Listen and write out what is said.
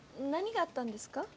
何があったんですか？